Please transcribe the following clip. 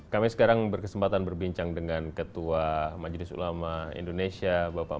kami sekarang berkesempatan berbincang dengan ketua majelis ulama indonesia